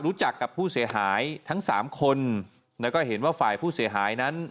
รู้จักกับผู้เสียหายทั้งสามคนแล้วก็เห็นว่าฝ่ายผู้เสียหายนั้น